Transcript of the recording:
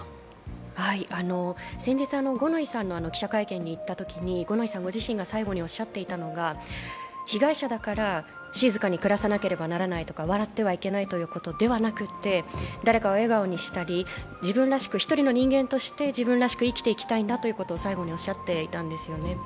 先日五ノ井さんの記者会見に行ったときに五ノ井さん自身が最後におっしゃっていたのが、被害者だから静かに暮らさなければならないだとか笑ってはいけないということではなくて、誰かを笑顔にしたり１人の人間として自分らしく生きていきたいと最後におっしゃっていたんですよね。